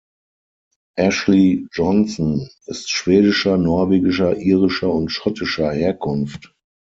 Ashley Johnson ist schwedischer, norwegischer, irischer und schottischer Herkunft.